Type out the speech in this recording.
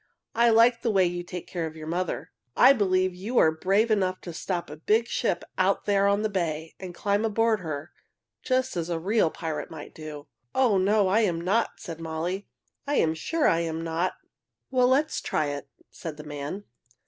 I like the way you take care of your mother. I believe you are brave enough to stop a big ship out there on the bay and climb aboard her, just as a real pirate might do." "Oh, no, I am not!" said Molly. "I am sure I am not!" "Well, let's try it," said the man.